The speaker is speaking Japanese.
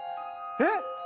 えっ？